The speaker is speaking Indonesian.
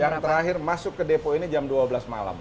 yang terakhir masuk ke depo ini jam dua belas malam